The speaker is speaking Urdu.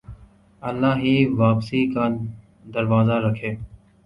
اللہ ہی واپسی کا دروازہ رکھے